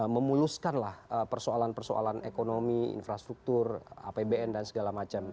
memuluskanlah persoalan persoalan ekonomi infrastruktur apbn dan segala macam